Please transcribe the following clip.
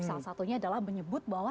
salah satunya adalah menyebut bahwa